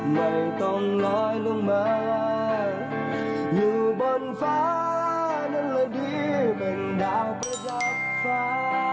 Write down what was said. ไม่ต้องน้อยลงมาอยู่บนฟ้านั่นแหละดีแมงดาวประดับฟ้า